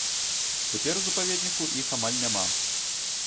Цяпер у запаведніку іх амаль няма.